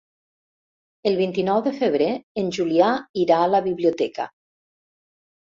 El vint-i-nou de febrer en Julià irà a la biblioteca.